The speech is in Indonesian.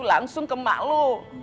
langsung ke emak lu